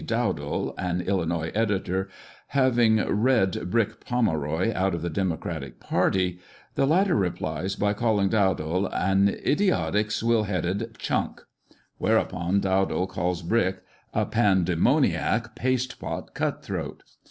Dowdall, an Illinois editor, having "read" Brick Pomeroy out of the democratic party; the latter replies by calling Dowdall an "idiotic swill headed chunk;" whereupon Dowdall calls Brick a " Pandemoniac paste pot cut throat."